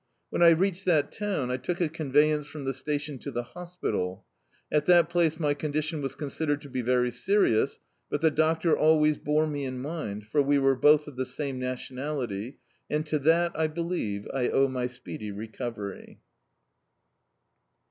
When I reached that town, I took a conveyance from the station to the hospital. At that place my con dition was considered to be very serious, but the doctor always bore me in mind, for we were both of the same nationality, and to that, I believe, I owe my speedy recovery.